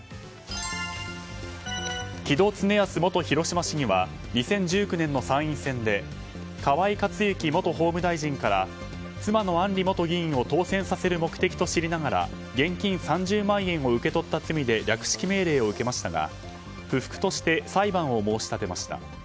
木戸経康元広島市議は２０１９年の参院選で河井克行元法務大臣から妻の案里元議員を当選させる目的と知りながら現金３０万円を受け取った罪で略式命令を受けましたが不服として裁判を申し立てました。